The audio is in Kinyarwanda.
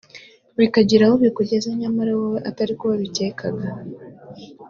bikagira aho bikugeza nyamara wowe atariko wabicyekaga